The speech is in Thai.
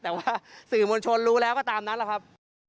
แต่ว่าสื่อมวลชนรู้แล้วก็ตามนั้นแหละครับ